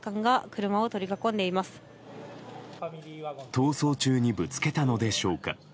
逃走中にぶつけたのでしょうか。